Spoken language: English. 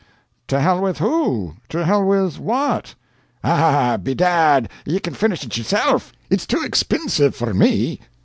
"To hell with who? To hell with what?" "Ah, bedad, ye can finish it yourself it's too expinsive for me!"